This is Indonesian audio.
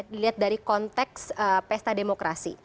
dilihat dari konteks pesta demokrasi